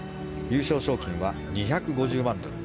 優勝賞金は２５０万ドル